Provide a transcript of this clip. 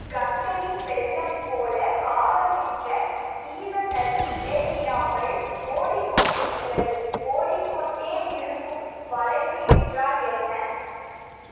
கங்கையின் வெள்ளம் போல, காலம் என்ற ஜீவநதி இடைவிடாமல் ஓடிக் கொண்டிருக்கிறது... ஓடிக் கொண்டேயிருக்கும், வளைவு என்றால் என்ன?